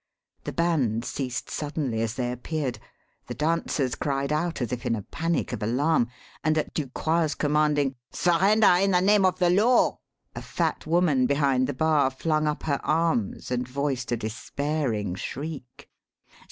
The band ceased suddenly as they appeared, the dancers cried out as if in a panic of alarm, and at Ducroix's commanding "Surrender in the name of the Law!" a fat woman behind the bar flung up her arms and voiced a despairing shriek.